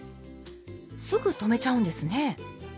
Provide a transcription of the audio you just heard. すぐ止めちゃうんですね。